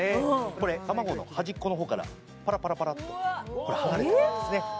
これ卵の端っこのほうからパラパラパラっとこれ剥がれていくんですね